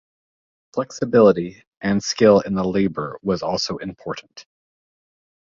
Flexibility and skill in the labor was also important.